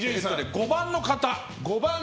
５番の方